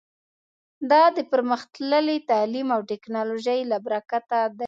دا د پرمختللي تعلیم او ټکنالوژۍ له برکته دی